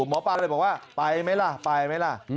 หมอปลาเลยบอกว่าไปไหมล่ะไปไหมล่ะ